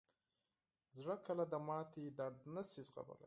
زړه کله د ماتې درد نه شي زغملی.